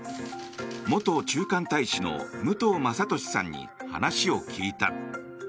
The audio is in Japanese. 元駐韓大使の武藤正敏さんに話を聞いた。